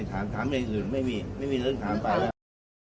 ถามอย่างอื่นไม่มีไม่มีเรื่องถามไปแล้ว